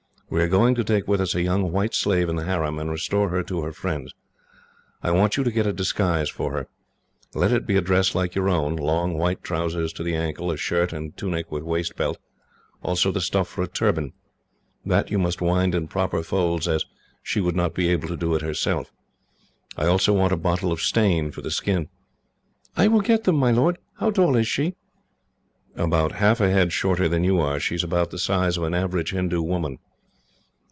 We are going to take with us a young white slave in the harem, and restore her to her friends. I want you to get a disguise for her. Let it be a dress like your own long white trousers to the ankle, a shirt and tunic with waist belt, also the stuff for a turban. That you must wind in proper folds, as she would not be able to do it herself. I also want a bottle of stain for the skin." "I will get them, my lord. How tall is she?" "About half a head shorter than you are. She is about the size of an average Hindoo woman."